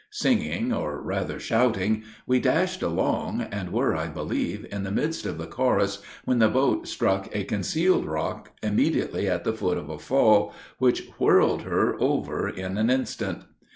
Singing, or rather shouting, we dashed along, and were, I believe, in the midst of the chorus, when the boat struck a concealed rock immediately at the foot of a fall, which whirled her over in an instant.